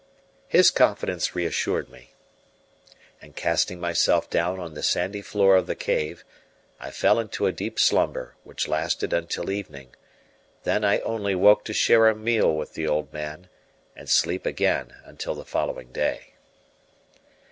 His confidence reassured me, and casting myself down on the sandy floor of the cave, I fell into a deep slumber, which lasted until evening; then I only woke to share a meal with the old man, and sleep again until the following day.